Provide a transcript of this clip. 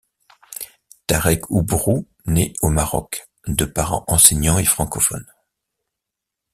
Tareq Oubrou naît au Maroc, de parents enseignants et francophones.